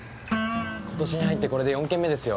今年に入ってこれで４件目ですよ。